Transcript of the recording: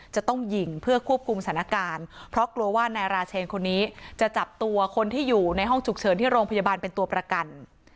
จะต้องยิงเพื่อควบคุมสถานการณ์เพราะกลัวว่านายราเชนคนนี้จะจับตัวคนที่อยู่ในห้องฉุกเฉินที่โรงพยาบาลเป็นตัวประกัน